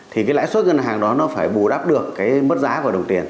thì cái lãi suất ngân hàng đó nó phải bù đắp được cái mất giá của đồng tiền